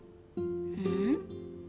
うん？